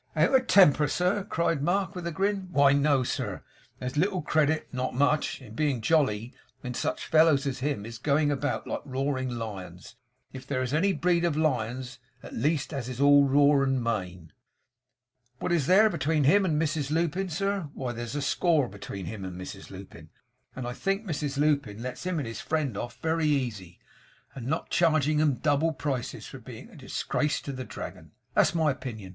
'Out of temper, sir!' cried Mark, with a grin; 'why no, sir. There's a little credit not much in being jolly, when such fellows as him is a going about like roaring lions; if there is any breed of lions, at least, as is all roar and mane. What is there between him and Mrs Lupin, sir? Why, there's a score between him and Mrs Lupin. And I think Mrs Lupin lets him and his friend off very easy in not charging 'em double prices for being a disgrace to the Dragon. That's my opinion.